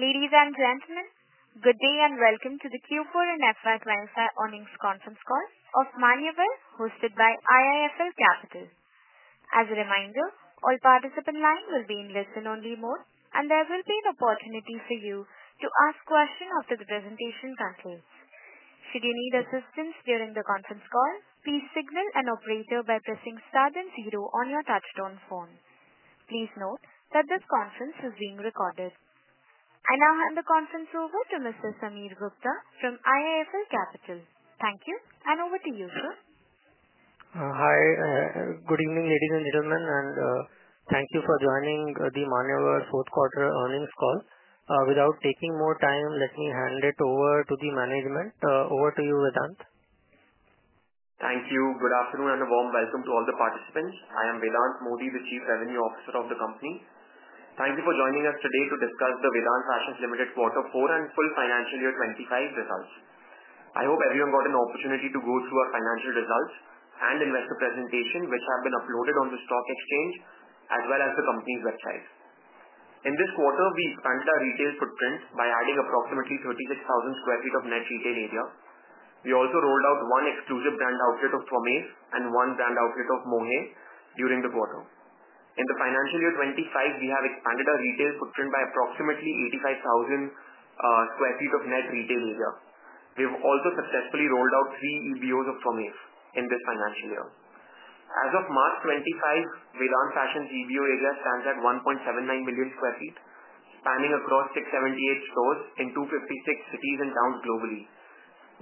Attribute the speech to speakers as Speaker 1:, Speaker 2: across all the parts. Speaker 1: Ladies and gentlemen, good day and welcome to the Q4 and FY 2025 earnings conference call of Vedant Fashions Limited, hosted by IIFL Capital. As a reminder, all participants' lines will be in listen-only mode, and there will be an opportunity for you to ask questions after the presentation concludes. Should you need assistance during the conference call, please signal an operator by pressing star then zero on your touch-tone phone. Please note that this conference is being recorded. I now hand the conference over to Mr. Sameer Gupta from IIFL Capital. Thank you, and over to you, sir.
Speaker 2: Hi, good evening, ladies and gentlemen, and thank you for joining the Manyavar fourth quarter earnings call. Without taking more time, let me hand it over to the management. Over to you, Vedant.
Speaker 3: Thank you, good afternoon, and a warm welcome to all the participants. I am Vedant Modi, the Chief Revenue Officer of the company. Thank you for joining us today to discuss the Vedant Fashions Limited quarter four and full financial year 2025 results. I hope everyone got an opportunity to go through our financial results and investor presentation, which have been uploaded on the Stock Exchange as well as the Company's website. In this quarter, we expanded our retail footprint by adding approximately 36,000 sq ft of net retail area. We also rolled out one exclusive brand outlet of Twamev and one brand outlet of Mohey during the quarter. In the financial year 2025, we have expanded our retail footprint by approximately 85,000 sq ft of net retail area. We have also successfully rolled out three EBOs of Twamev in this financial year. As of March 25, Vedant Fashions' EBO area stands at 1.79 million sq ft, spanning across 678 stores in 256 cities and towns globally.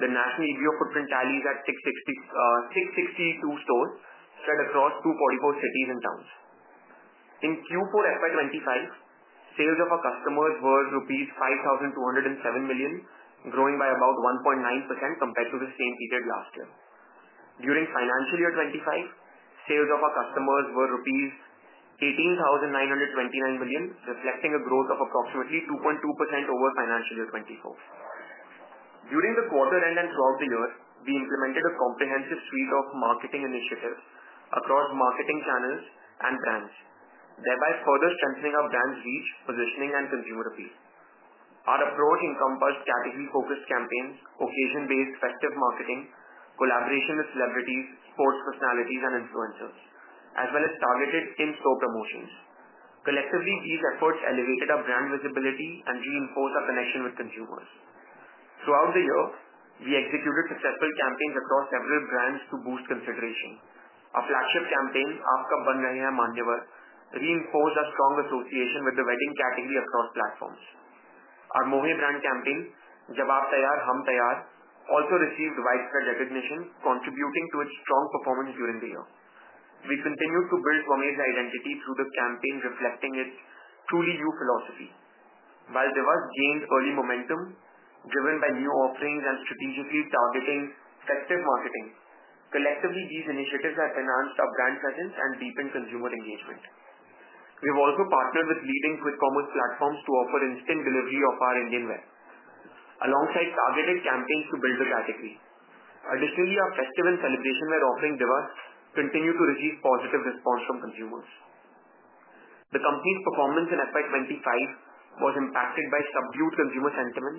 Speaker 3: The national EBO footprint tallies at 662 stores spread across 244 cities and towns. In Q4 FY 2025, sales of our customers were rupees 5,207 million, growing by about 1.9% compared to the same period last year. During financial year 2025, sales of our customers were rupees 18,929 million, reflecting a growth of approximately 2.2% over financial year 2024. During the quarter and throughout the year, we implemented a comprehensive suite of marketing initiatives across marketing channels and brands, thereby further strengthening our brand's reach, positioning, and consumer appeal. Our approach encompassed category-focused campaigns, occasion-based festive marketing, collaboration with celebrities, sports personalities, and influencers, as well as targeted in-store promotions. Collectively, these efforts elevated our brand visibility and reinforced our connection with consumers. Throughout the year, we executed successful campaigns across several brands to boost consideration. Our flagship campaign, Aap Kab Ban Rahe Hain Manyavar?, reinforced our strong association with the wedding category across platforms. Our Mohey brand campaign, Jab Aap Taiyaar, Hum Taiyaar, also received widespread recognition, contributing to its strong performance during the year. We continued to build Twamev's identity through the campaign, reflecting its truly youth philosophy. While Divas gained early momentum, driven by new offerings and strategically targeting festive marketing, collectively, these initiatives have enhanced our brand presence and deepened consumer engagement. We have also partnered with leading quick commerce platforms to offer instant delivery of our Indian wear, alongside targeted campaigns to build the category. Additionally, our festive and celebration wear offering Divas continued to receive positive response from consumers. The company's performance in FY 2025 was impacted by subdued consumer sentiment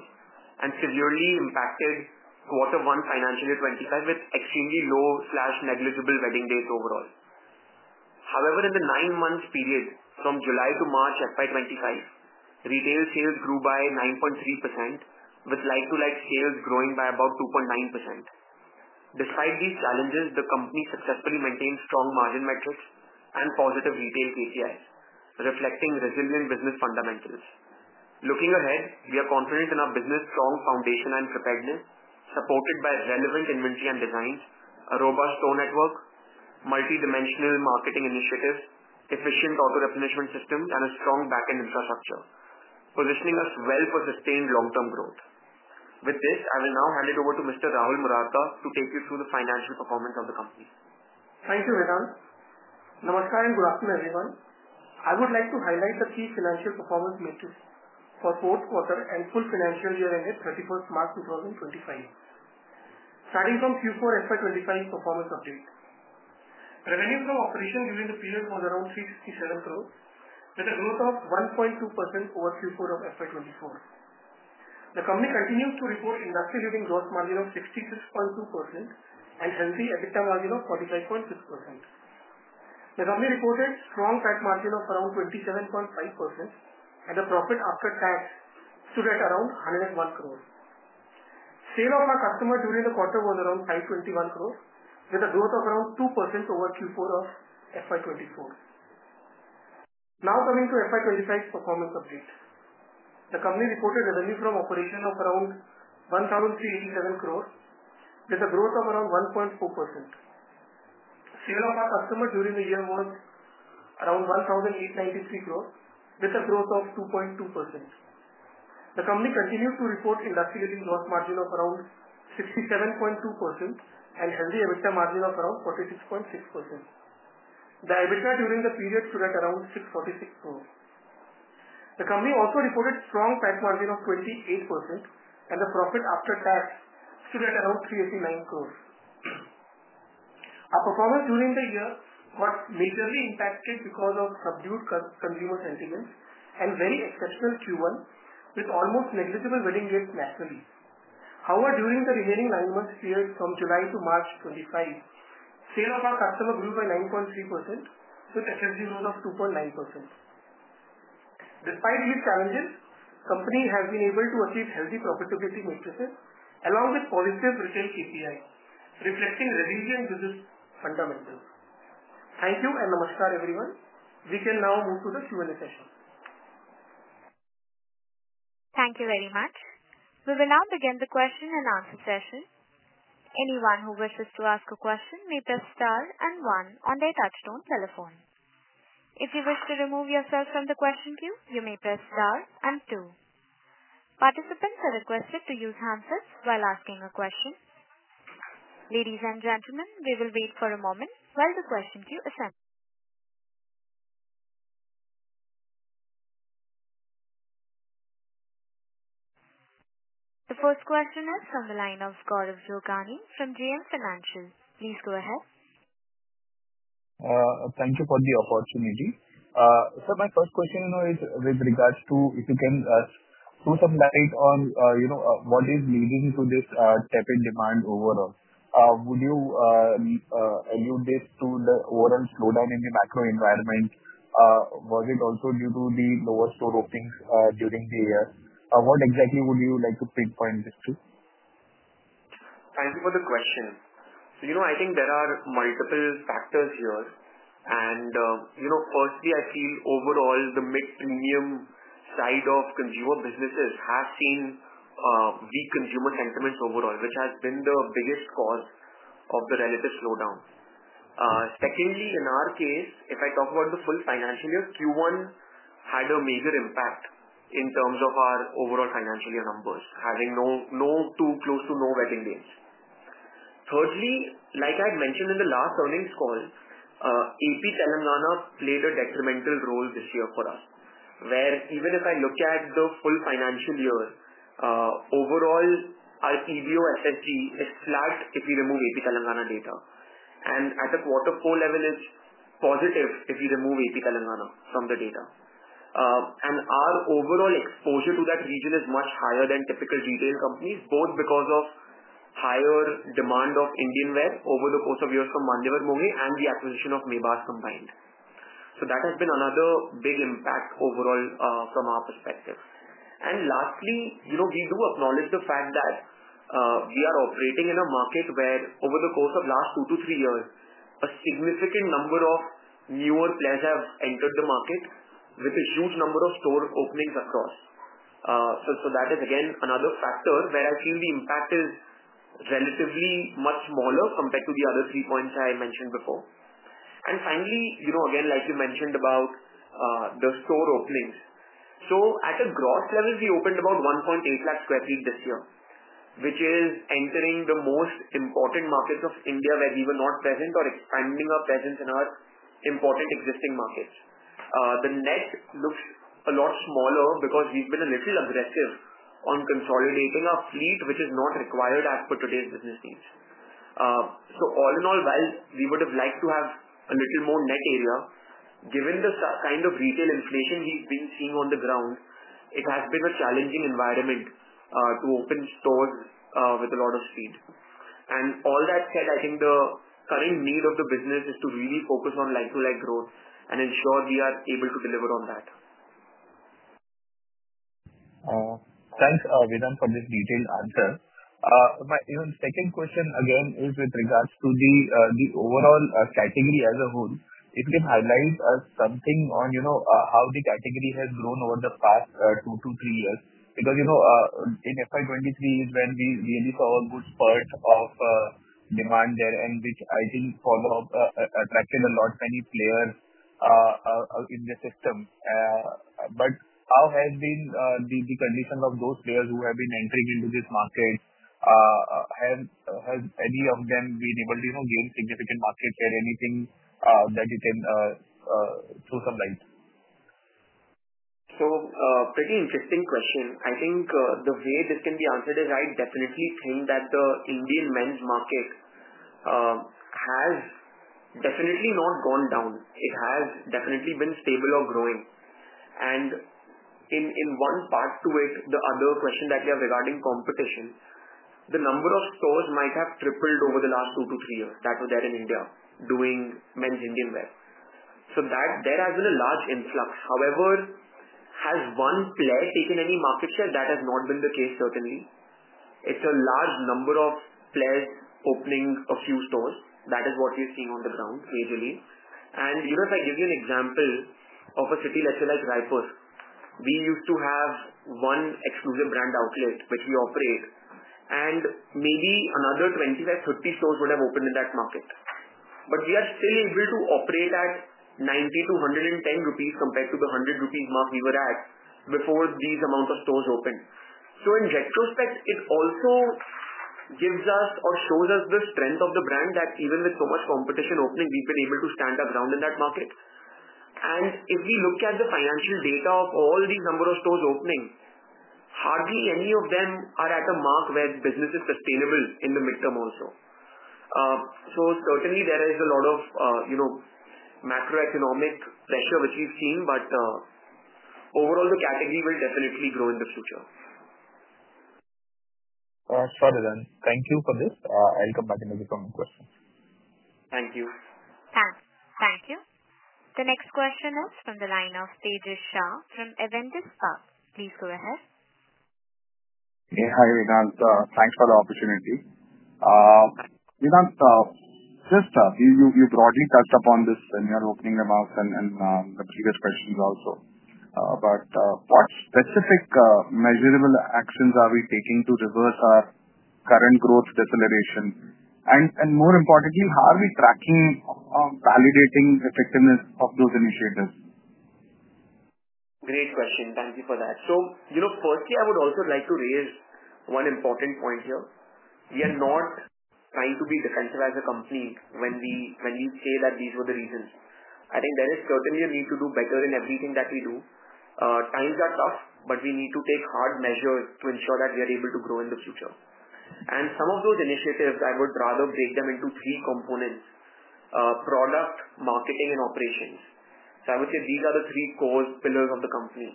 Speaker 3: and severely impacted quarter one financial year 2025 with extremely low/negligible wedding days overall. However, in the nine-month period from July to March FY 2025, retail sales grew by 9.3%, with like-to-like sales growing by about 2.9%. Despite these challenges, the company successfully maintained strong margin metrics and positive retail KPIs, reflecting resilient business fundamentals. Looking ahead, we are confident in our business's strong foundation and preparedness, supported by relevant inventory and designs, a robust store network, multi-dimensional marketing initiatives, efficient auto-replenishment systems, and a strong back-end infrastructure, positioning us well for sustained long-term growth. With this, I will now hand it over to Mr. Rahul Murarka to take you through the financial performance of the company.
Speaker 4: Thank you, Vedant. Namaskar and good afternoon, everyone. I would like to highlight the key financial performance metrics for fourth quarter and full financial year ended 31st March, 2025. Starting from Q4 FY 2025 performance update, revenues of operations during the period was around 367 crore, with a growth of 1.2% over Q4 of FY 2024. The company continues to report industry-leading gross margin of 66.2% and healthy EBITDA margin of 45.6%. The company reported strong PAT margin of around 27.5%, and the profit after tax stood at around 101 crore. Sale of our customers during the quarter was around 521 crore, with a growth of around 2% over Q4 of FY 2024. Now coming to FY 2025 performance update, the company reported revenues from operations of around 1,387 crore, with a growth of around 1.4%. Sale of our customers during the year was around 1,893 crore, with a growth of 2.2%. The company continues to report industry-leading gross margin of around 67.2% and healthy EBITDA margin of around 46.6%. The EBITDA during the period stood at around 646 crore. The company also reported strong PAT margin of 28%, and the profit after tax stood at around 389 crore. Our performance during the year got majorly impacted because of subdued consumer sentiments and very exceptional Q1, with almost negligible wedding dates nationally. However, during the remaining nine-month period from July to March 2025, sale of our customers grew by 9.3%, with SSG growth of 2.9%. Despite these challenges, the company has been able to achieve healthy profitability metrics along with positive retail KPIs, reflecting resilient business fundamentals. Thank you and Namaskar, everyone. We can now move to the Q&A session.
Speaker 1: Thank you very much. We will now begin the question and answer session. Anyone who wishes to ask a question may press star and one on their touch-tone telephone. If you wish to remove yourself from the question queue, you may press star and two. Participants are requested to use handsets while asking a question. Ladies and gentlemen, we will wait for a moment while the question queue is sent. The first question is from the line of Gaurav Jogani from JM Financial. Please go ahead.
Speaker 5: Thank you for the opportunity. Sir, my first question is with regards to, if you can shed some light on what is leading to this tepid demand overall. Would you allude this to the overall slowdown in the macro environment? Was it also due to the lower store openings during the year? What exactly would you like to pinpoint this to?
Speaker 3: Thank you for the question. I think there are multiple factors here. Firstly, I feel overall the mid-premium side of consumer businesses has seen weak consumer sentiments overall, which has been the biggest cause of the relative slowdown. Secondly, in our case, if I talk about the full financial year, Q1 had a major impact in terms of our overall financial year numbers, having no close to no wedding dates. Thirdly, like I had mentioned in the last earnings call, AP and Telangana played a detrimental role this year for us, where even if I look at the full financial year, overall our EBO SSG is flat if we remove AP and Telangana data. At the quarter four level, it is positive if we remove AP and Telangana from the data. Our overall exposure to that region is much higher than typical retail companies, both because of higher demand of Indian wear over the course of years from Manyavar, Mohey, and the acquisition of Mebaz combined. That has been another big impact overall from our perspective. Lastly, we do acknowledge the fact that we are operating in a market where over the course of the last two to three years, a significant number of newer players have entered the market with a huge number of store openings across. That is, again, another factor where I feel the impact is relatively much smaller compared to the other three points I mentioned before. Finally, again, like you mentioned about the store openings. At the gross level, we opened about 180,000 sq ft this year, which is entering the most important markets of India where we were not present or expanding our presence in our important existing markets. The net looks a lot smaller because we have been a little aggressive on consolidating our fleet, which is not required as per today's business needs. All in all, while we would have liked to have a little more net area, given the kind of retail inflation we have been seeing on the ground, it has been a challenging environment to open stores with a lot of speed. All that said, I think the current need of the business is to really focus on like-for-like growth and ensure we are able to deliver on that.
Speaker 5: Thanks, Vedant, for this detailed answer. My second question, again, is with regards to the overall category as a whole. If you can highlight something on how the category has grown over the past two to three years, because in 2023 is when we really saw a good spurt of demand there, which I think attracted a lot of many players in the system. How has been the condition of those players who have been entering into this market? Has any of them been able to gain significant market share? Anything that you can shed some light?
Speaker 3: Pretty interesting question. I think the way this can be answered is I definitely think that the Indian men's market has definitely not gone down. It has definitely been stable or growing. In one part to it, the other question that we have regarding competition, the number of stores might have tripled over the last two to three years that were there in India doing men's Indian wear. There has been a large influx. However, has one player taken any market share? That has not been the case, certainly. It is a large number of players opening a few stores. That is what we are seeing on the ground, majorly. If I give you an example of a city, let's say like Raipur, we used to have one exclusive brand outlet which we operate, and maybe another 25-30 stores would have opened in that market. We are still able to operate at 90-110 rupees compared to the 100 rupees mark we were at before these amounts of stores opened. In retrospect, it also gives us or shows us the strength of the brand that even with so much competition opening, we've been able to stand our ground in that market. If we look at the financial data of all these number of stores opening, hardly any of them are at a mark where business is sustainable in the midterm also. Certainly, there is a lot of macroeconomic pressure, which we've seen, but overall, the category will definitely grow in the future.
Speaker 5: Sure, Vedant. Thank you for this. I'll come back and take some questions.
Speaker 3: Thank you.
Speaker 1: Thank you. The next question is from the line of Tejas Shah from Avendus Spark. Please go ahead.
Speaker 6: Hey, hi, Vedant. Thanks for the opportunity. Vedant, you broadly touched upon this when you were opening your mouth and the previous questions also. What specific measurable actions are we taking to reverse our current growth deceleration? More importantly, how are we tracking or validating the effectiveness of those initiatives?
Speaker 3: Great question. Thank you for that. Firstly, I would also like to raise one important point here. We are not trying to be defensive as a company when we say that these were the reasons. I think there is certainly a need to do better in everything that we do. Times are tough, but we need to take hard measures to ensure that we are able to grow in the future. Some of those initiatives, I would rather break them into three components: product, marketing, and operations. I would say these are the three core pillars of the company.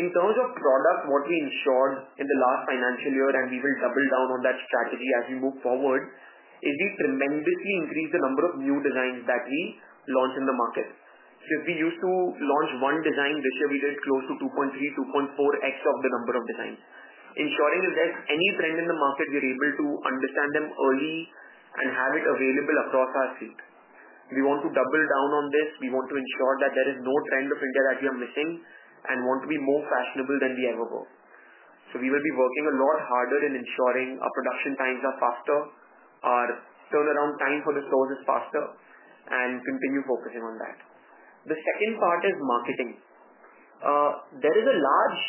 Speaker 3: In terms of product, what we ensured in the last financial year, and we will double down on that strategy as we move forward, is we tremendously increased the number of new designs that we launch in the market. If we used to launch one design this year, we did close to 2.3x-2.4x of the number of designs. Ensuring if there is any trend in the market, we are able to understand them early and have it available across our fleet. We want to double down on this. We want to ensure that there is no trend of India that we are missing and want to be more fashionable than we ever were. We will be working a lot harder in ensuring our production times are faster, our turnaround time for the stores is faster, and continue focusing on that. The second part is marketing. There is a large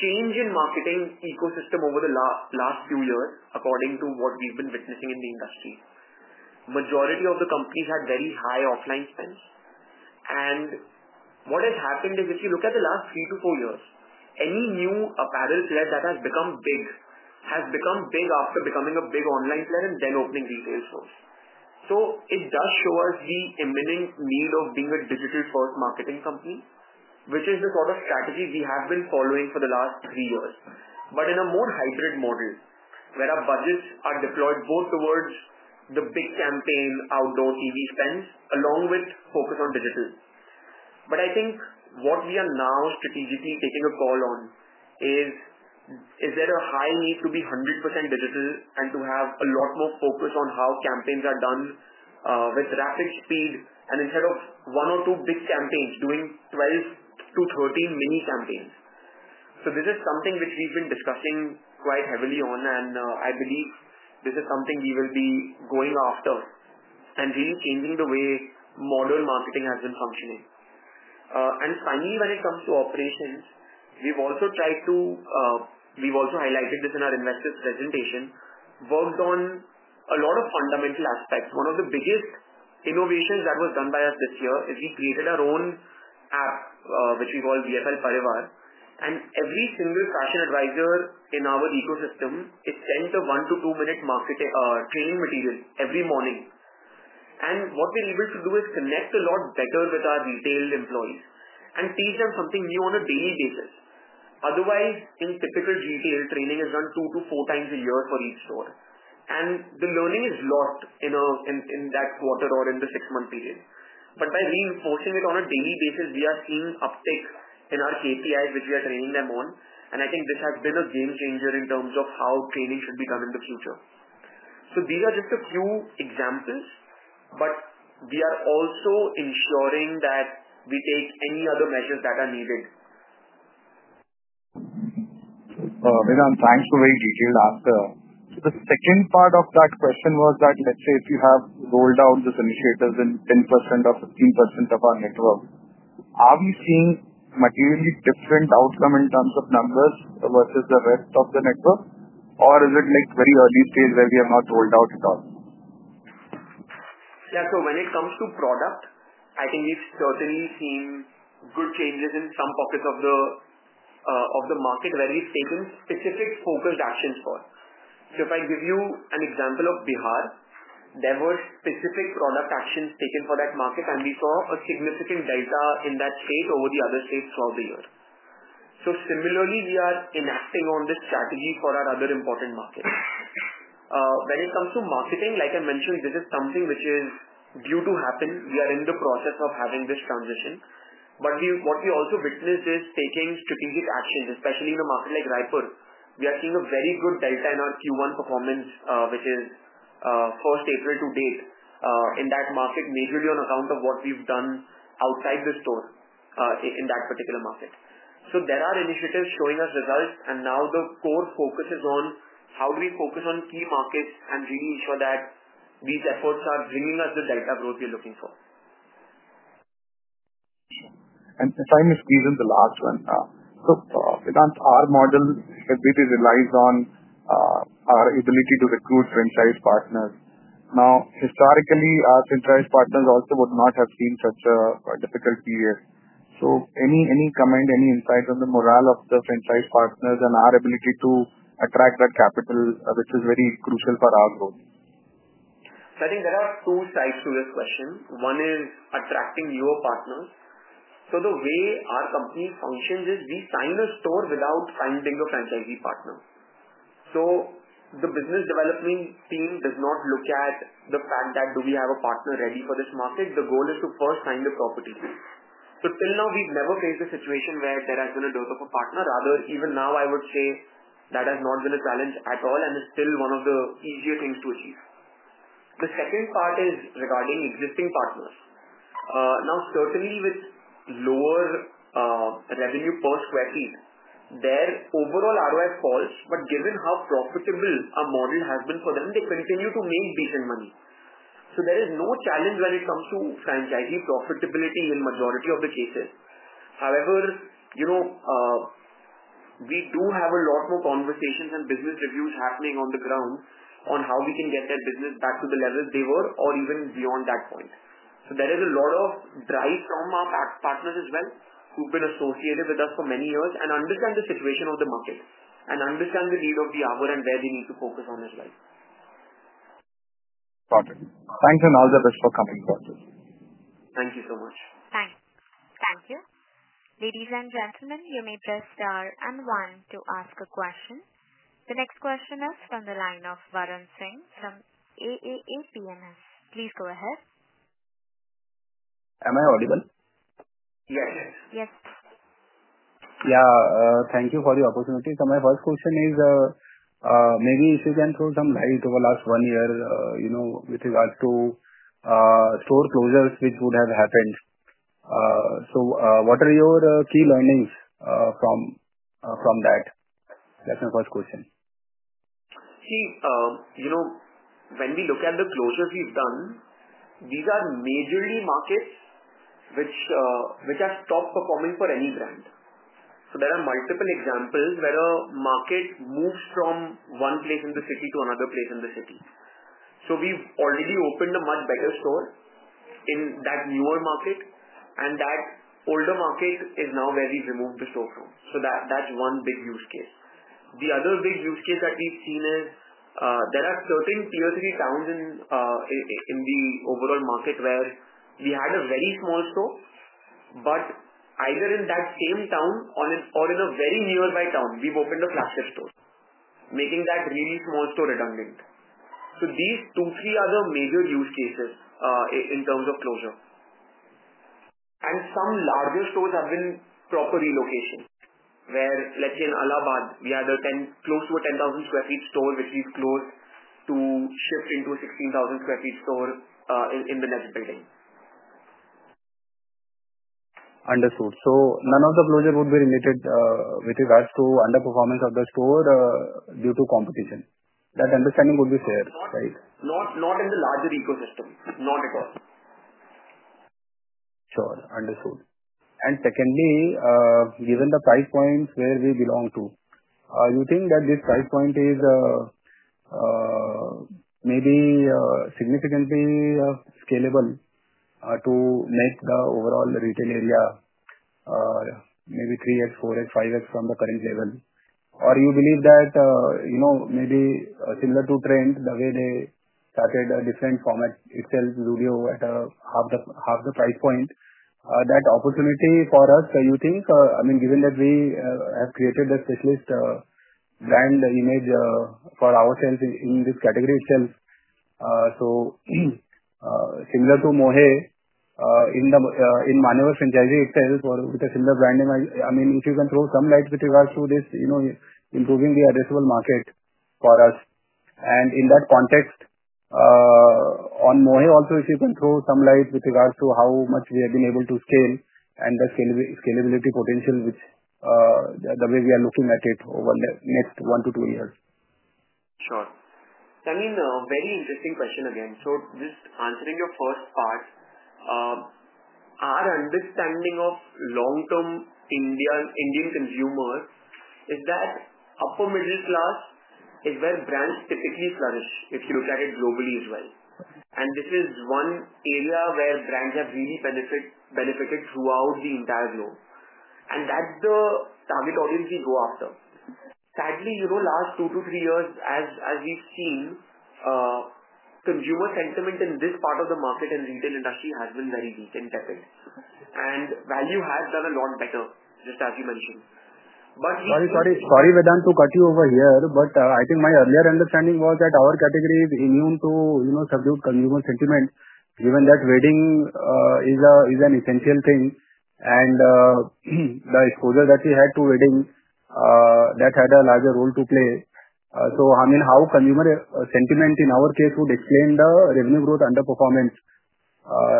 Speaker 3: change in the marketing ecosystem over the last few years, according to what we have been witnessing in the industry. Majority of the companies had very high offline spends. What has happened is, if you look at the last three to four years, any new apparel player that has become big has become big after becoming a big online player and then opening retail stores. It does show us the imminent need of being a digital-first marketing company, which is the sort of strategy we have been following for the last three years, but in a more hybrid model where our budgets are deployed both towards the big campaign, outdoor TV spends, along with focus on digital. I think what we are now strategically taking a call on is, is there a high need to be 100% digital and to have a lot more focus on how campaigns are done with rapid speed and instead of one or two big campaigns doing 12-13 mini campaigns? This is something which we've been discussing quite heavily on, and I believe this is something we will be going after and really changing the way modern marketing has been functioning. Finally, when it comes to operations, we've also tried to—we've also highlighted this in our investors' presentation—worked on a lot of fundamental aspects. One of the biggest innovations that was done by us this year is we created our own app, which we call VFL Parivaar. Every single fashion advisor in our ecosystem is sent a one to two-minute training material every morning. What we're able to do is connect a lot better with our retail employees and teach them something new on a daily basis. Otherwise, in typical retail, training is done two to four times a year for each store. The learning is lost in that quarter or in the six-month period. By reinforcing it on a daily basis, we are seeing uptick in our KPIs, which we are training them on. I think this has been a game changer in terms of how training should be done in the future. These are just a few examples, but we are also ensuring that we take any other measures that are needed.
Speaker 6: Vedant, thanks for a very detailed answer. The second part of that question was that, let's say if you have rolled out these initiatives in 10% or 15% of our network, are we seeing materially different outcome in terms of numbers versus the rest of the network, or is it like very early stage where we have not rolled out at all?
Speaker 3: Yeah, so when it comes to product, I think we've certainly seen good changes in some pockets of the market where we've taken specific focused actions for. If I give you an example of Bihar, there were specific product actions taken for that market, and we saw a significant delta in that state over the other states throughout the year. Similarly, we are enacting on this strategy for our other important markets. When it comes to marketing, like I mentioned, this is something which is due to happen. We are in the process of having this transition. What we also witnessed is taking strategic actions, especially in a market like Raipur. We are seeing a very good delta in our Q1 performance, which is first April to date, in that market, majorly on account of what we've done outside the store in that particular market. There are initiatives showing us results, and now the core focus is on how do we focus on key markets and really ensure that these efforts are bringing us the delta growth we are looking for.
Speaker 6: If I misread the last one, Vedant, our model really relies on our ability to recruit franchise partners. Now, historically, our franchise partners also would not have seen such a difficult period. Any comment, any insight on the morale of the franchise partners and our ability to attract that capital, which is very crucial for our growth?
Speaker 3: I think there are two sides to this question. One is attracting newer partners. The way our company functions is we sign a store without finding a franchisee partner. The business development team does not look at the fact that do we have a partner ready for this market. The goal is to first find a property. Till now, we've never faced a situation where there has been a dearth of a partner. Rather, even now, I would say that has not been a challenge at all and is still one of the easier things to achieve. The second part is regarding existing partners. Certainly with lower revenue per sq ft, their overall ROI falls, but given how profitable our model has been for them, they continue to make decent money. There is no challenge when it comes to franchisee profitability in the majority of the cases. However, we do have a lot more conversations and business reviews happening on the ground on how we can get their business back to the level they were or even beyond that point. There is a lot of drive from our partners as well who have been associated with us for many years and understand the situation of the market and understand the need of the hour and where they need to focus on as well.
Speaker 6: Got it. Thanks and all the best for coming forward.
Speaker 3: Thank you so much.
Speaker 1: Thanks. Thank you. Ladies and gentlemen, you may press star and one to ask a question. The next question is from the line of Varun Singh from AAA BMS. Please go ahead.
Speaker 7: Am I audible?
Speaker 3: Yes.
Speaker 1: Yes.
Speaker 7: Yeah, thank you for the opportunity. My first question is maybe if you can throw some light over the last one year with regards to store closures which would have happened. What are your key learnings from that? That's my first question.
Speaker 3: See, when we look at the closures we've done, these are majorly markets which are top performing for any brand. There are multiple examples where a market moves from one place in the city to another place in the city. We've already opened a much better store in that newer market, and that older market is now where we've removed the store from. That's one big use case. The other big use case that we've seen is there are certain tier three towns in the overall market where we had a very small store, but either in that same town or in a very nearby town, we've opened a flagship store, making that really small store redundant. These two, three are the major use cases in terms of closure. Some larger stores have been proper relocation where, let's say in Allahabad, we had close to a 10,000 sq ft store which we've closed to shift into a 16,000 sq ft store in the next building.
Speaker 7: Understood. So none of the closures would be related with regards to underperformance of the store due to competition. That understanding would be fair, right?
Speaker 3: Not in the larger ecosystem. Not at all.
Speaker 7: Sure. Understood. Secondly, given the price points where we belong to, do you think that this price point is maybe significantly scalable to make the overall retail area maybe 3x, 4x, 5x from the current level? You believe that maybe similar to Trent, the way they started a different format itself, Zudio at half the price point, that opportunity for us, you think, I mean, given that we have created a specialist brand image for ourselves in this category itself, so similar to Mohey in Manyavar franchisee itself with a similar branding, I mean, if you can throw some light with regards to this, improving the addressable market for us. In that context, on Mohey also, if you can throw some light with regards to how much we have been able to scale and the scalability potential, the way we are looking at it over the next one to two years.
Speaker 3: Sure. I mean, very interesting question again. Just answering your first part, our understanding of long-term Indian consumer is that upper middle class is where brands typically flourish if you look at it globally as well. This is one area where brands have really benefited throughout the entire globe. That is the target audience we go after. Sadly, last two to three years, as we've seen, consumer sentiment in this part of the market and retail industry has been very weak and tepid. Value has done a lot better, just as you mentioned. But we.
Speaker 7: Sorry, Vedant, to cut you over here, but I think my earlier understanding was that our category is immune to subdued consumer sentiment, given that wedding is an essential thing. The exposure that we had to wedding, that had a larger role to play. I mean, how consumer sentiment in our case would explain the revenue growth underperformance,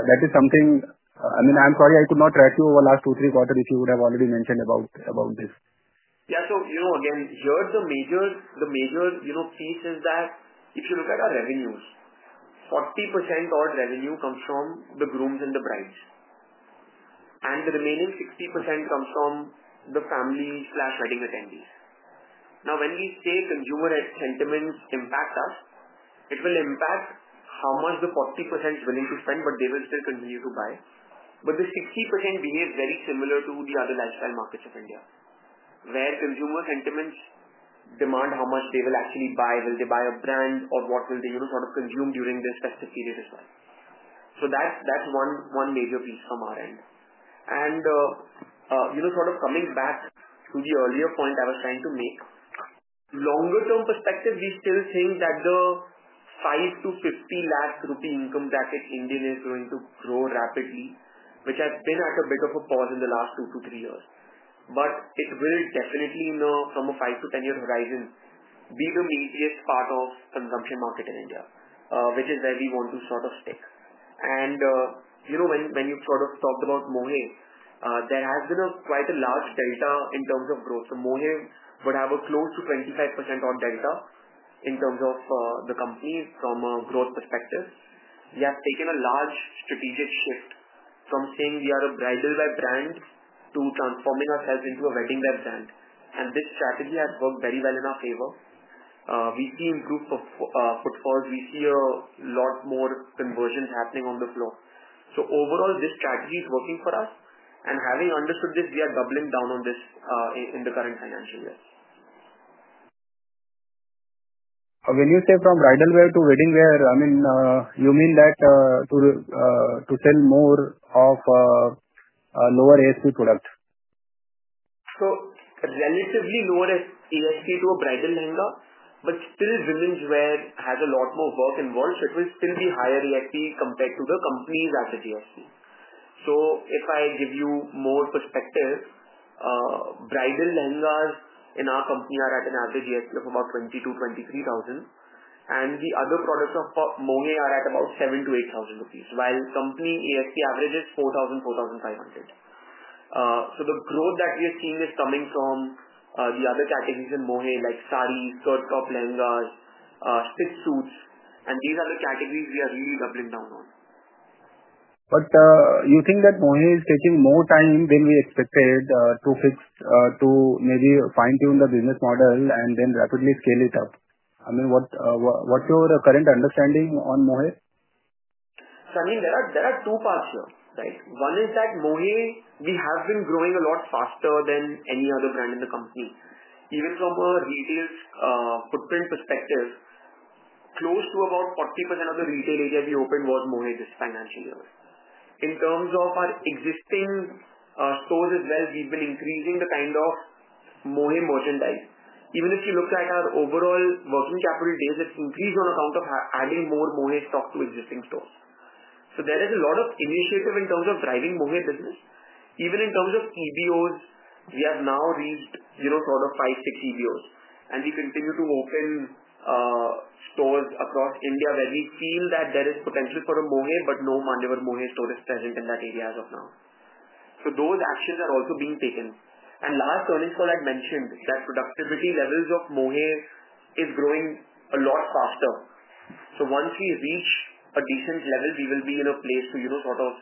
Speaker 7: that is something, I mean, I'm sorry, I could not track you over the last two to three quarters if you would have already mentioned about this.
Speaker 3: Yeah, so again, here the major piece is that if you look at our revenues, 40% of revenue comes from the grooms and the brides. The remaining 60% comes from the family/wedding attendees. Now, when we say consumer sentiments impact us, it will impact how much the 40% is willing to spend, but they will still continue to buy. The 60% behaves very similar to the other lifestyle markets of India, where consumer sentiments demand how much they will actually buy, will they buy a brand, or what will they sort of consume during this festive period as well. That is one major piece from our end. Sort of coming back to the earlier point I was trying to make, longer-term perspective, we still think that the INR 500,000- 5 million rupee income bracket in India is going to grow rapidly, which has been at a bit of a pause in the last two to three years. It will definitely, from a five to 10-year horizon, be the meatiest part of the consumption market in India, which is where we want to sort of stick. When you sort of talked about Mohey, there has been quite a large delta in terms of growth. Mohey would have a close to 25% odd delta in terms of the company from a growth perspective. We have taken a large strategic shift from saying we are a bridal-wear brand to transforming ourselves into a wedding-wear brand. This strategy has worked very well in our favor. We see improved footfalls. We see a lot more conversions happening on the floor. Overall, this strategy is working for us. Having understood this, we are doubling down on this in the current financial years.
Speaker 7: When you say from bridal-web to wedding-web, I mean, you mean that to sell more of a lower ASP product?
Speaker 3: Relatively lower ASP to a bridal lehenga, but still women's wear has a lot more work involved, so it will still be higher ASP compared to the company's average ASP. If I give you more perspective, bridal lehengas in our company are at an average ASP of about 22,000-23,000. The other products of Mohey are at about 7,000-8,000 rupees, while company ASP average is 4,000-4,500. The growth that we are seeing is coming from the other categories in Mohey, like sarees, skirt-top lehengas, spit suits. These are the categories we are really doubling down on.
Speaker 7: Do you think that Mohey is taking more time than we expected to maybe fine-tune the business model and then rapidly scale it up? I mean, what's your current understanding on Mohey?
Speaker 3: I mean, there are two parts here, right? One is that Mohey, we have been growing a lot faster than any other brand in the company. Even from a retail footprint perspective, close to about 40% of the retail area we opened was Mohey this financial year. In terms of our existing stores as well, we've been increasing the kind of Mohey merchandise. Even if you look at our overall working capital days, it's increased on account of adding more Mohey stock to existing stores. There is a lot of initiative in terms of driving Mohey business. Even in terms of EBOs, we have now reached sort of five, six EBOs. We continue to open stores across India where we feel that there is potential for a Mohey, but no Manyavar Mohey store is present in that area as of now. Those actions are also being taken. Last earnings call I had mentioned that productivity levels of Mohey are growing a lot faster. Once we reach a decent level, we will be in a place to sort of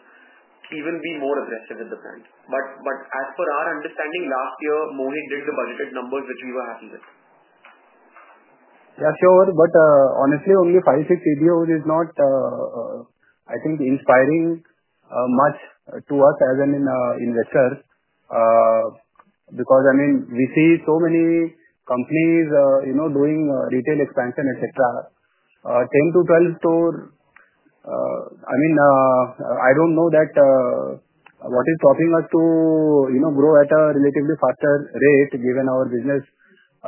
Speaker 3: even be more aggressive with the brand. As per our understanding, last year, Mohey did the budgeted numbers, which we were happy with.
Speaker 7: Yeah, sure. Honestly, only five, six EBOs is not, I think, inspiring much to us as an investor because, I mean, we see so many companies doing retail expansion, etc. Ten to 12 stores, I mean, I do not know what is stopping us to grow at a relatively faster rate, given our business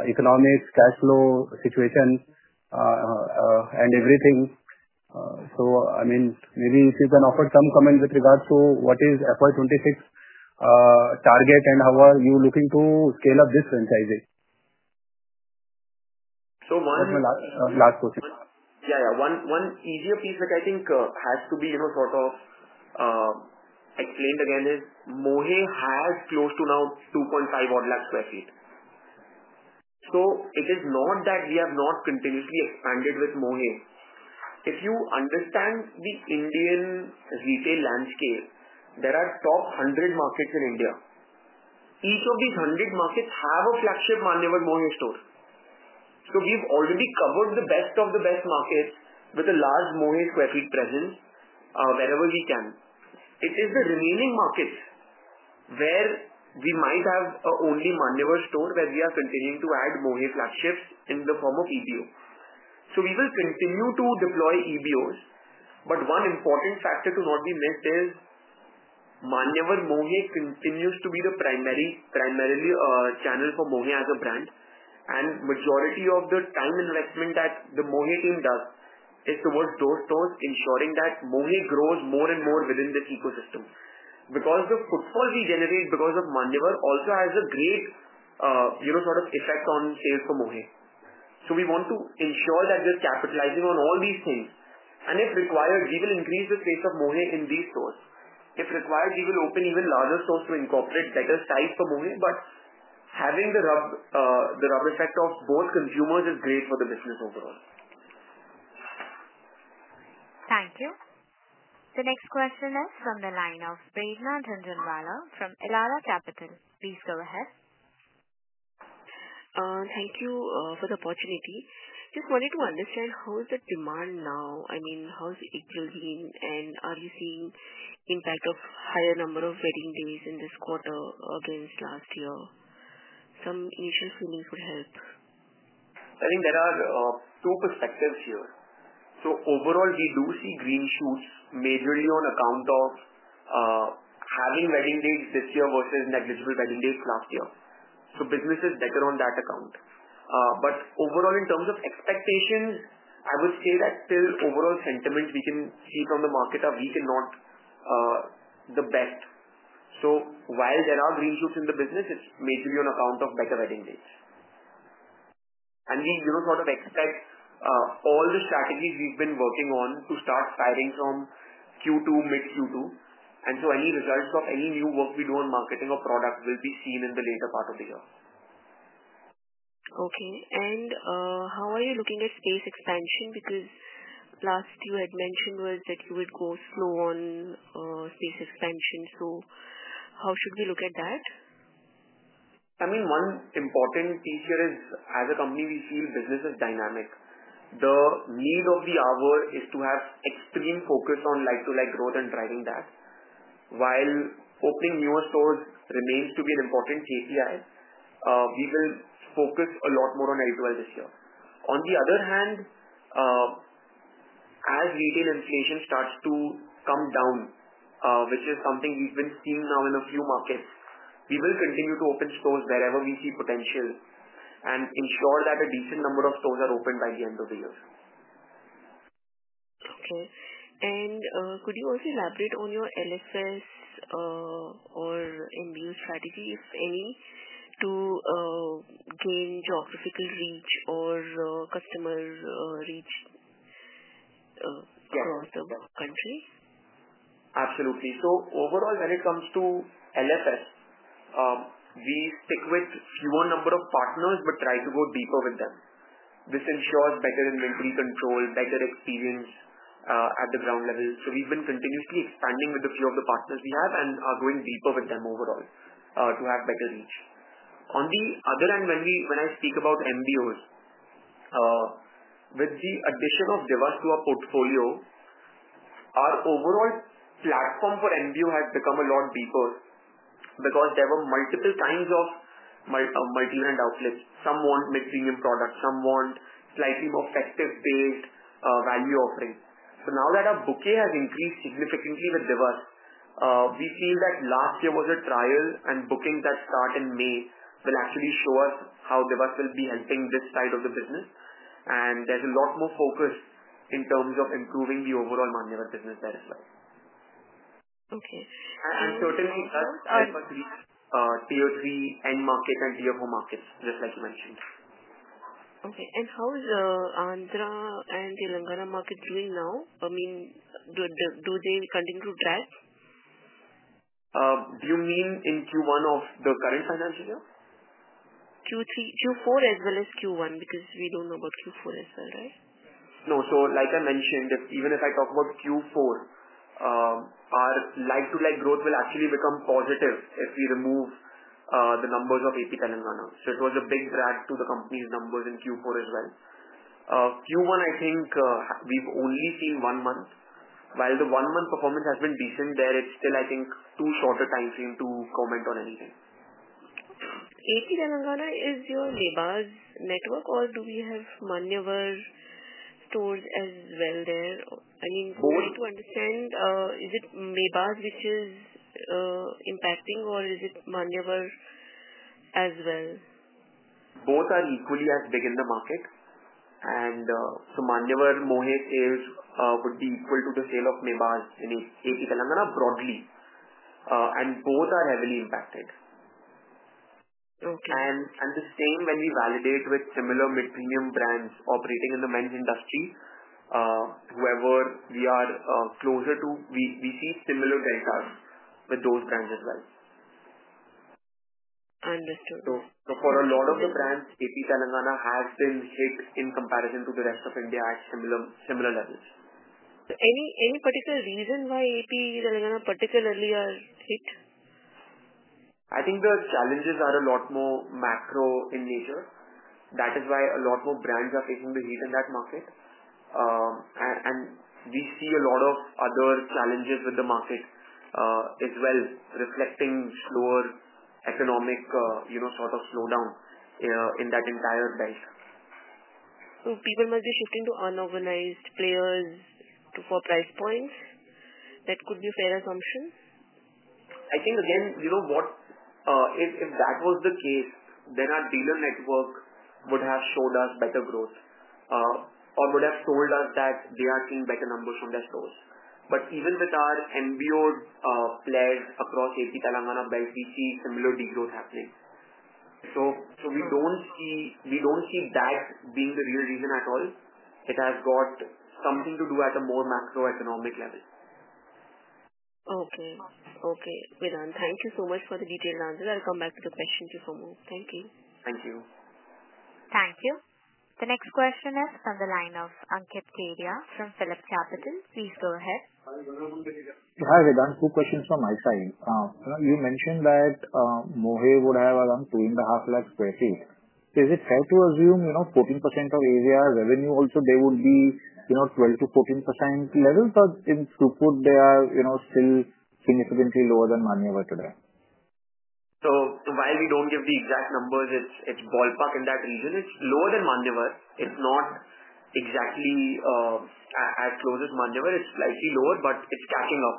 Speaker 7: economics, cash flow situation, and everything. Maybe if you can offer some comment with regards to what is FY 2026 target and how are you looking to scale up this franchisee?
Speaker 3: So one.
Speaker 7: That's my last question.
Speaker 3: Yeah, yeah. One easier piece that I think has to be sort of explained again is Mohey has close to now 250,000 odd sq ft. It is not that we have not continuously expanded with Mohey. If you understand the Indian retail landscape, there are top 100 markets in India. Each of these 100 markets have a flagship Manyavar Mohey store. We have already covered the best of the best markets with a large Mohey sq ft presence wherever we can. It is the remaining markets where we might have only Manyavar store where we are continuing to add Mohey flagships in the form of EBO. We will continue to deploy EBOs. One important factor to not be missed is Manyavar Mohey continues to be the primary channel for Mohey as a brand. The majority of the time investment that the Mohey team does is towards those stores, ensuring that Mohey grows more and more within this ecosystem. The footfall we generate because of Manyavar also has a great sort of effect on sales for Mohey. We want to ensure that we are capitalizing on all these things. If required, we will increase the space of Mohey in these stores. If required, we will open even larger stores to incorporate better size for Mohey. Having the rub effect of both consumers is great for the business overall.
Speaker 1: Thank you. The next question is from the line of Prerna Jhunjhunwala from Elara Capital. Please go ahead.
Speaker 8: Thank you for the opportunity. Just wanted to understand how is the demand now? I mean, how is it building? Are you seeing impact of higher number of wedding days in this quarter against last year? Some initial feelings would help.
Speaker 3: I think there are two perspectives here. Overall, we do see green shoots majorly on account of having wedding days this year versus negligible wedding days last year. Business is better on that account. Overall, in terms of expectations, I would say that still overall sentiment we can see from the market are weak and not the best. While there are green shoots in the business, it is majorly on account of better wedding days. We sort of expect all the strategies we have been working on to start firing from Q2, mid Q2. Any results of any new work we do on marketing or product will be seen in the later part of the year.
Speaker 8: Okay. How are you looking at space expansion? Because last you had mentioned was that you would go slow on space expansion. How should we look at that?
Speaker 3: I mean, one important piece here is, as a company, we feel business is dynamic. The need of the hour is to have extreme focus on like-to-like growth and driving that. While opening newer stores remains to be an important KPI, we will focus a lot more on editorial this year. On the other hand, as retail inflation starts to come down, which is something we've been seeing now in a few markets, we will continue to open stores wherever we see potential and ensure that a decent number of stores are opened by the end of the year.
Speaker 8: Okay. Could you also elaborate on your LFS or MBO strategy, if any, to gain geographical reach or customer reach across the country?
Speaker 3: Absolutely. Overall, when it comes to LFS, we stick with fewer number of partners but try to go deeper with them. This ensures better inventory control, better experience at the ground level. We have been continuously expanding with a few of the partners we have and are going deeper with them overall to have better reach. On the other hand, when I speak about MBOs, with the addition of Divas to our portfolio, our overall platform for MBO has become a lot deeper because there were multiple kinds of multi-brand outfits. Some want mid-premium products. Some want slightly more festive-based value offering. Now that our booking has increased significantly with Divas, we feel that last year was a trial, and bookings that start in May will actually show us how Divas will be helping this side of the business. There is a lot more focus in terms of improving the overall Manyavar business there as well.
Speaker 8: Okay.
Speaker 3: Certainly, that's helped us reach Tier 3 end market and Tier 4 markets, just like you mentioned.
Speaker 8: Okay. How is Andhra and Telangana market doing now? I mean, do they continue to track?
Speaker 3: Do you mean in Q1 of the current financial year?
Speaker 8: Q4 as well as Q1 because we don't know about Q4 as well, right?
Speaker 3: No. Like I mentioned, even if I talk about Q4, our like-to-like growth will actually become positive if we remove the numbers of AP Telangana. It was a big drag to the company's numbers in Q4 as well. Q1, I think we have only seen one month. While the one-month performance has been decent there, it is still, I think, too short a time frame to comment on anything.
Speaker 8: AP Telangana is your Mebaz network, or do we have Manyavar stores as well there? I mean, for me to understand, is it Mebaz which is impacting, or is it Manyavar as well?
Speaker 3: Both are equally as big in the market. Manyavar Mohey sales would be equal to the sale of Mebaz in AP Telangana broadly. Both are heavily impacted. The same when we validate with similar mid-premium brands operating in the men's industry, whoever we are closer to, we see similar deltas with those brands as well.
Speaker 8: Understood.
Speaker 3: For a lot of the brands, AP Telangana has been hit in comparison to the rest of India at similar levels.
Speaker 8: Any particular reason why AP Telangana particularly are hit?
Speaker 3: I think the challenges are a lot more macro in nature. That is why a lot more brands are facing the heat in that market. We see a lot of other challenges with the market as well, reflecting slower economic sort of slowdown in that entire belt.
Speaker 8: People must be shifting to unorganized players for price points. That could be a fair assumption.
Speaker 3: I think, again, if that was the case, then our dealer network would have showed us better growth or would have told us that they are seeing better numbers from their stores. Even with our MBO players across AP Telangana belt, we see similar degrowth happening. We do not see that being the real reason at all. It has got something to do at a more macroeconomic level.
Speaker 8: Okay. Okay. Vedant, thank you so much for the detailed answers. I'll come back to the question if you have more. Thank you.
Speaker 3: Thank you.
Speaker 1: Thank you. The next question is from the line of Ankit Kedia from Phillip Capital. Please go ahead.
Speaker 9: Hi, Vedant. Two questions from my side. You mentioned that Mohey would have around 250,000 sq ft. Is it fair to assume 14% of AVR revenue also they would be 12-14% level? Or in truth, they are still significantly lower than Manyavar today?
Speaker 3: While we don't give the exact numbers, it's ballpark in that region. It's lower than Manyavar. It's not exactly as close as Manyavar. It's slightly lower, but it's catching up.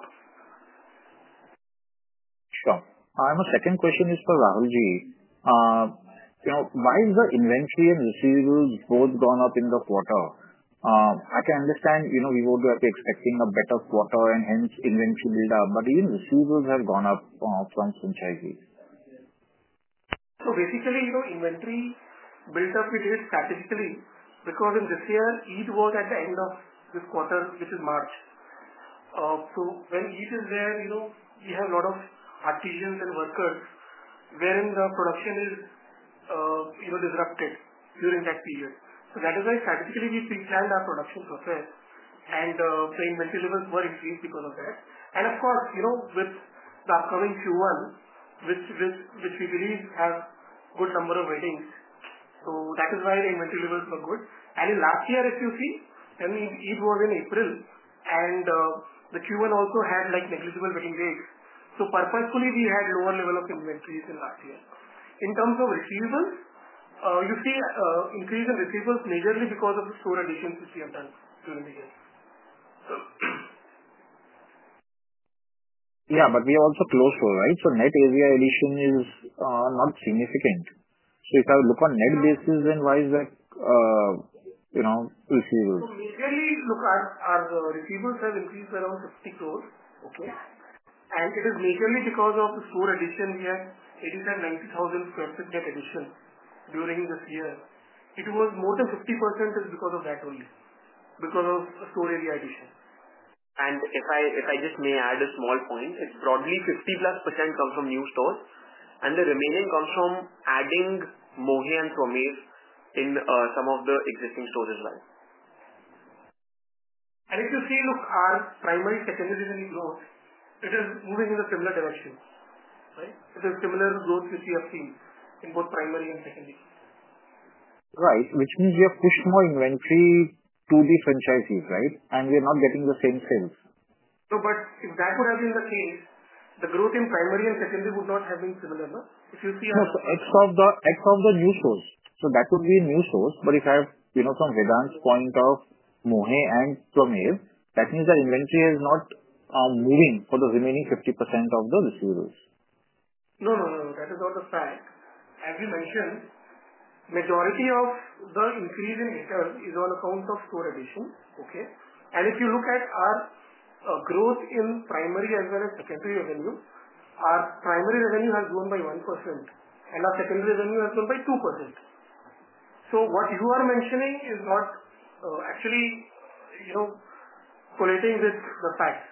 Speaker 9: Sure. My second question is for Rahul. Why is the inventory and receivables both gone up in the quarter? I can understand we would have been expecting a better quarter and hence inventory build-up, but even receivables have gone up from Sunshine JV.
Speaker 4: Basically, inventory build-up we did strategically because in this year, Eid was at the end of this quarter, which is March. When Eid is there, we have a lot of artisans and workers wherein the production is disrupted during that period. That is why strategically we planned our production process, and the inventory levels were increased because of that. Of course, with the upcoming Q1, which we believe has a good number of weddings, that is why the inventory levels were good. In last year, if you see, I mean, Eid was in April, and the Q1 also had negligible wedding days. Purposefully, we had lower level of inventories in last year. In terms of receivables, you see increase in receivables majorly because of the store additions which we have done during the year.
Speaker 9: Yeah, but we are also close to, right? So net AVR addition is not significant. If I look on net basis, then why is that receivables?
Speaker 4: Look, our receivables have increased around 50 crore. It is majorly because of the store addition. We had 85,000-90,000 sq ft net addition during this year. More than 50% is because of that only, because of store area addition.
Speaker 3: If I just may add a small point, it's broadly 50+% come from new stores, and the remaining comes from adding Mohey and Twamev in some of the existing stores as well.
Speaker 4: If you see, look, our primary secondary revenue growth, it is moving in a similar direction, right? It is similar growth which we have seen in both primary and secondary.
Speaker 9: Right. Which means we have pushed more inventory to the franchisees, right? We are not getting the same sales.
Speaker 4: No, but if that would have been the case, the growth in primary and secondary would not have been similar, no? If you see our.
Speaker 9: No, so X of the new stores. That would be new stores. If I have from Vedant's point of Mohey and Twamev, that means that inventory is not moving for the remaining 50% of the receivables.
Speaker 4: No, no, no. That is not a fact. As we mentioned, majority of the increase in return is on account of store addition, okay? If you look at our growth in primary as well as secondary revenue, our primary revenue has grown by 1%, and our secondary revenue has grown by 2%. What you are mentioning is not actually collating with the facts.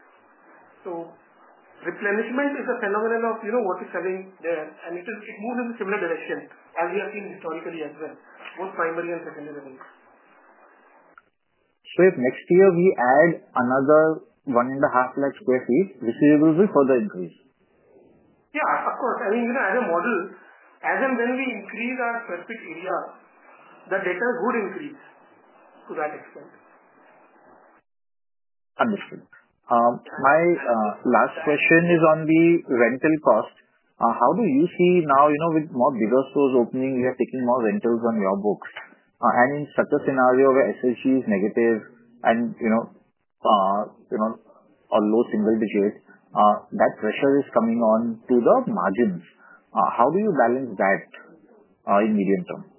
Speaker 4: Replenishment is a phenomenon of what is selling there, and it moves in a similar direction as we have seen historically as well, both primary and secondary revenues.
Speaker 9: If next year we add another 150,000 sq ft, receivables will further increase?
Speaker 4: Yeah, of course. I mean, as a model, as and when we increase our sq ft area, the data would increase to that extent.
Speaker 9: Understood. My last question is on the rental cost. How do you see now with more bigger stores opening, we are taking more rentals on your books. In such a scenario where SSG is negative and a low single digit, that pressure is coming on to the margins. How do you balance that in medium term?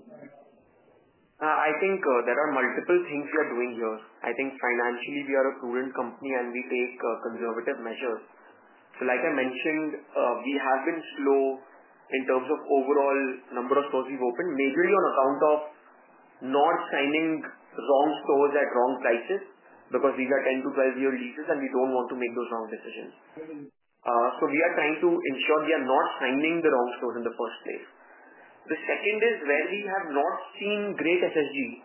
Speaker 3: I think there are multiple things we are doing here. I think financially we are a prudent company, and we take conservative measures. Like I mentioned, we have been slow in terms of overall number of stores we have opened, majorly on account of not signing wrong stores at wrong prices because these are 10-12 year leases, and we do not want to make those wrong decisions. We are trying to ensure we are not signing the wrong stores in the first place. The second is where we have not seen great SSG,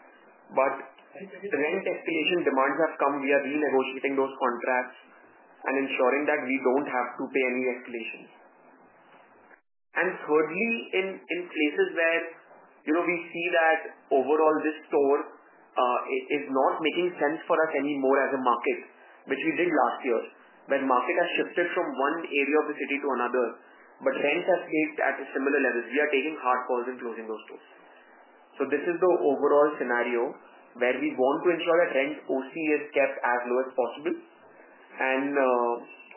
Speaker 3: but rent escalation demands have come. We are renegotiating those contracts and ensuring that we do not have to pay any escalations. Thirdly, in places where we see that overall this store is not making sense for us anymore as a market, which we did last year when market has shifted from one area of the city to another, but rents have stayed at similar levels, we are taking hard calls in closing those stores. This is the overall scenario where we want to ensure that rent OC is kept as low as possible.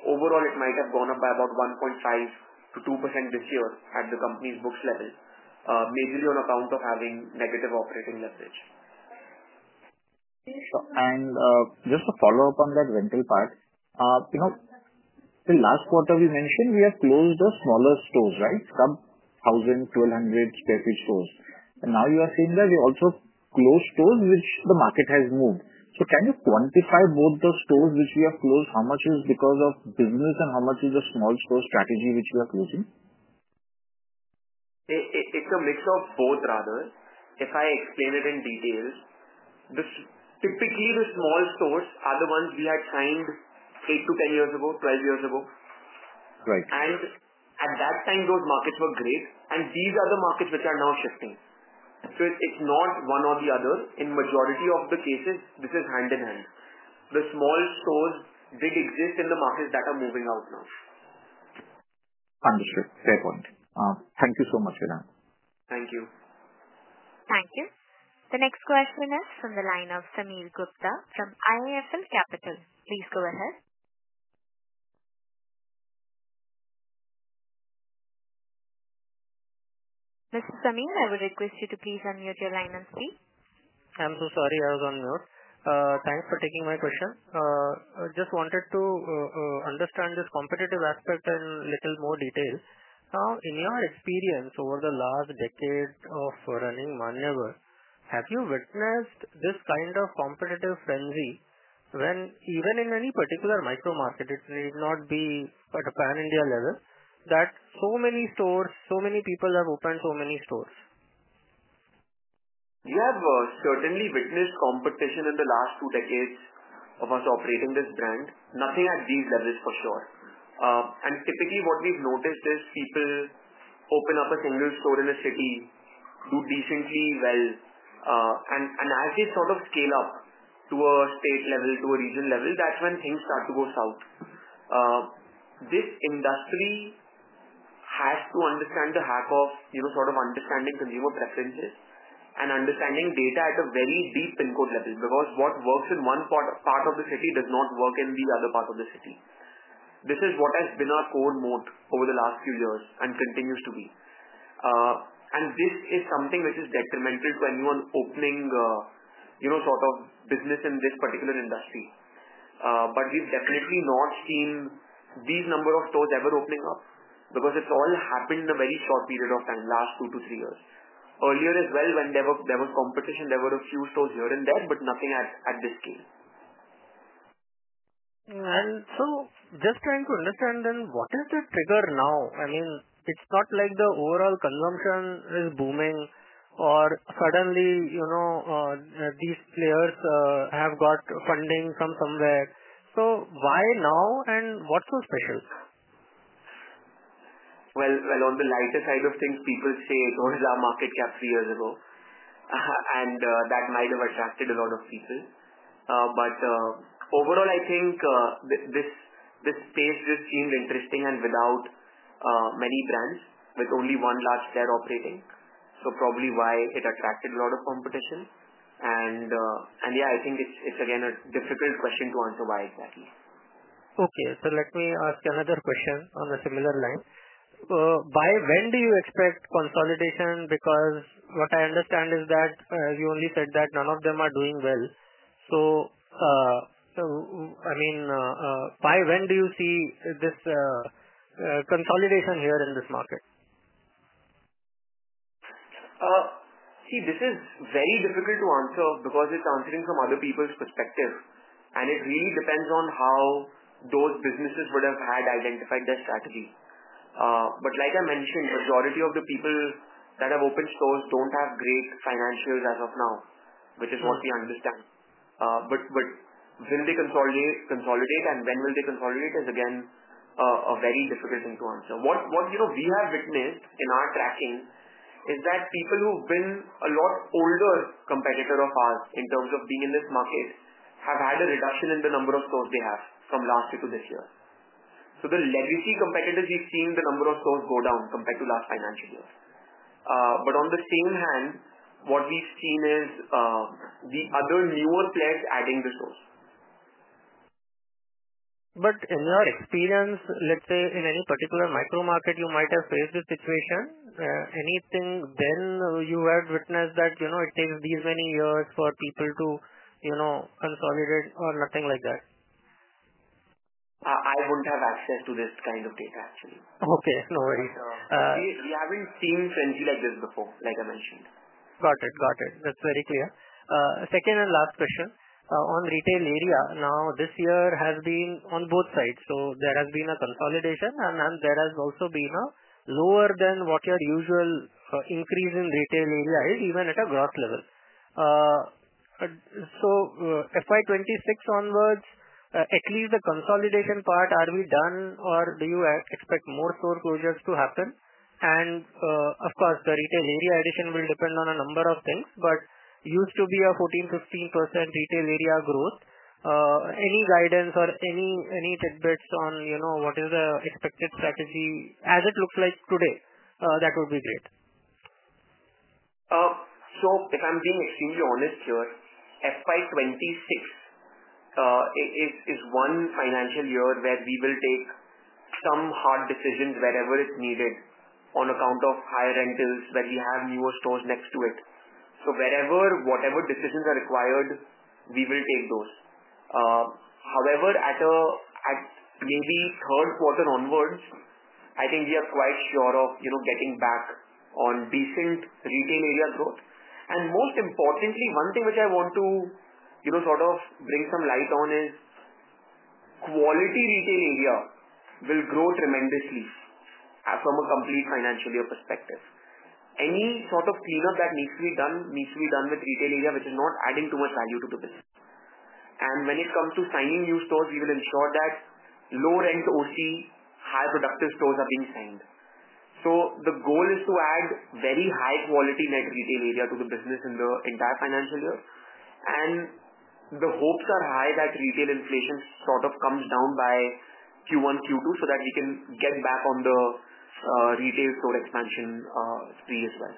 Speaker 3: Overall, it might have gone up by about 1.5%-2% this year at the company's books level, majorly on account of having negative operating leverage.
Speaker 9: Just to follow up on that rental part, the last quarter we mentioned we have closed the smaller stores, right? Some 1,000-1,200 sq ft stores. Now you are saying that we also closed stores where the market has moved. Can you quantify both the stores which we have closed? How much is because of business and how much is the small store strategy which we are closing?
Speaker 3: It's a mix of both, rather. If I explain it in detail, typically the small stores are the ones we had signed eight to 10 years ago, 12 years ago. At that time, those markets were great, and these are the markets which are now shifting. It is not one or the other. In majority of the cases, this is hand in hand. The small stores did exist in the markets that are moving out now.
Speaker 9: Understood. Fair point. Thank you so much, Vedant.
Speaker 3: Thank you.
Speaker 1: Thank you. The next question is from the line of Sameer Gupta from IIFL Capital. Please go ahead. Mr. Sameer, I would request you to please unmute your line and speak.
Speaker 10: I'm so sorry I was on mute. Thanks for taking my question. Just wanted to understand this competitive aspect in a little more detail. In your experience over the last decade of running Manyavar, have you witnessed this kind of competitive frenzy when, even in any particular micro market, it may not be at a pan-India level, that so many stores, so many people have opened so many stores?
Speaker 3: We have certainly witnessed competition in the last two decades of us operating this brand. Nothing at these levels, for sure. Typically what we've noticed is people open up a single store in a city, do decently well, and as they sort of scale up to a state level, to a regional level, that's when things start to go south. This industry has to understand the hack of sort of understanding consumer preferences and understanding data at a very deep PIN code level because what works in one part of the city does not work in the other part of the city. This is what has been our core moat over the last few years and continues to be. This is something which is detrimental to anyone opening sort of business in this particular industry. We have definitely not seen these number of stores ever opening up because it has all happened in a very short period of time, last two to three years. Earlier as well, when there was competition, there were a few stores here and there, but nothing at this scale.
Speaker 10: Just trying to understand then, what is the trigger now? I mean, it's not like the overall consumption is booming or suddenly these players have got funding from somewhere. Why now and what's so special?
Speaker 3: On the lighter side of things, people say, "There was a market cap three years ago," and that might have attracted a lot of people. Overall, I think this space just seemed interesting and without many brands, with only one large player operating. Probably why it attracted a lot of competition. Yeah, I think it's, again, a difficult question to answer why exactly.
Speaker 10: Okay. So let me ask another question on a similar line. By when do you expect consolidation? Because what I understand is that you only said that none of them are doing well. I mean, by when do you see this consolidation here in this market?
Speaker 3: See, this is very difficult to answer because it's answering from other people's perspective. It really depends on how those businesses would have had identified their strategy. Like I mentioned, majority of the people that have opened stores don't have great financials as of now, which is what we understand. When they consolidate and when will they consolidate is, again, a very difficult thing to answer. What we have witnessed in our tracking is that people who've been a lot older competitor of ours in terms of being in this market have had a reduction in the number of stores they have from last year to this year. The legacy competitors, we've seen the number of stores go down compared to last financial year. On the same hand, what we've seen is the other newer players adding the stores.
Speaker 10: In your experience, let's say in any particular micro market, you might have faced this situation. Anything then you had witnessed that it takes these many years for people to consolidate or nothing like that?
Speaker 3: I wouldn't have access to this kind of data, actually.
Speaker 10: Okay. No worries.
Speaker 3: We haven't seen frenzy like this before, like I mentioned.
Speaker 10: Got it. Got it. That's very clear. Second and last question. On retail area, now this year has been on both sides. There has been a consolidation, and there has also been a lower than what your usual increase in retail area is, even at a gross level. From FY 2026 onwards, at least the consolidation part, are we done or do you expect more store closures to happen? Of course, the retail area addition will depend on a number of things, but used to be a 14%-15% retail area growth. Any guidance or any tidbits on what is the expected strategy as it looks like today? That would be great.
Speaker 3: If I'm being extremely honest here, FY 2026 is one financial year where we will take some hard decisions wherever it's needed on account of higher rentals where we have newer stores next to it. Wherever whatever decisions are required, we will take those. However, at maybe third quarter onwards, I think we are quite sure of getting back on decent retail area growth. Most importantly, one thing which I want to sort of bring some light on is quality retail area will grow tremendously from a complete financial year perspective. Any sort of cleanup that needs to be done needs to be done with retail area which is not adding too much value to the business. When it comes to signing new stores, we will ensure that low rent OC, high productive stores are being signed. The goal is to add very high quality net retail area to the business in the entire financial year. The hopes are high that retail inflation sort of comes down by Q1, Q2 so that we can get back on the retail store expansion speed as well.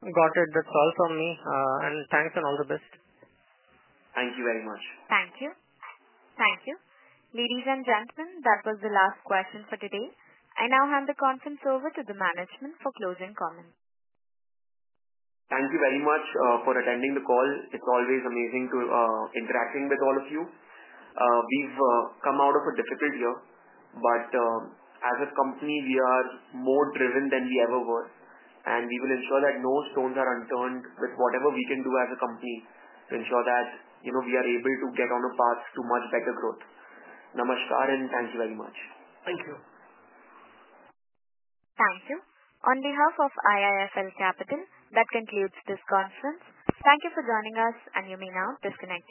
Speaker 10: Got it. That's all from me. Thanks and all the best.
Speaker 3: Thank you very much.
Speaker 1: Thank you. Thank you. Ladies and gentlemen, that was the last question for today. I now hand the conference over to the management for closing comments.
Speaker 3: Thank you very much for attending the call. It's always amazing interacting with all of you. We've come out of a difficult year, but as a company, we are more driven than we ever were. We will ensure that no stones are unturned with whatever we can do as a company to ensure that we are able to get on a path to much better growth. Namaskar and thank you very much.
Speaker 4: Thank you.
Speaker 1: Thank you. On behalf of IIFL Capital, that concludes this conference. Thank you for joining us, and you may now disconnect.